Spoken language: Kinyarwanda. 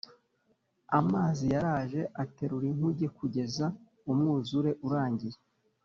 amazi yaraje aterura inkuge kugeza umwuzure urangiye